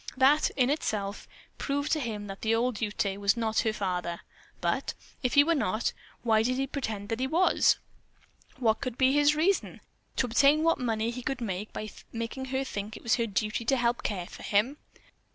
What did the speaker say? That, in itself, proved to him that the old Ute was not her father, but, if he were not, why did he pretend that he was? What could be his reason? To obtain what money he could by making her think it her duty to help care for him.